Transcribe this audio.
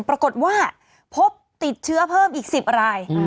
ปรากฏว่าพบติดเชื้อเพิ่มอีก๑๐ราย